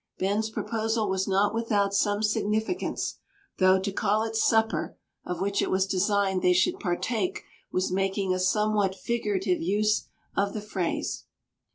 Ben's proposal was not without some significance; though to call it "supper" of which it was designed they should partake was making a somewhat figurative use of the phrase.